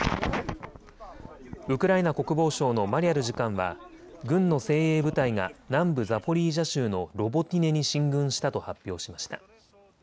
ウクライナ国防省のマリャル次官は軍の精鋭部隊が南部ザポリージャ州のロボティネに進軍したと発表しました。